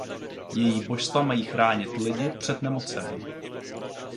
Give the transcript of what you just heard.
Její božstva mají chránit lidi před nemocemi.